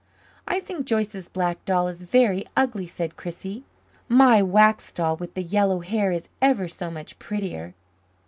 "I think Joyce's black doll is very ugly," said Chrissie. "My wax doll with the yellow hair is ever so much prettier."